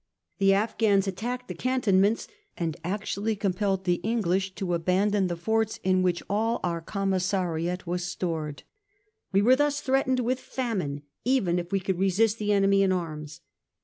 The Afghans attacked the cantonments and actually compelled the English to abandon the forts in which all our commissariat was stored. We were thus threatened with famine even if we could resist the enemy in arms.